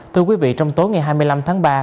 thưa quý vị trong tối ngày hai mươi năm tháng ba